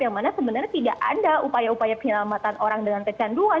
yang mana sebenarnya tidak ada upaya upaya penyelamatan orang dengan kecanduan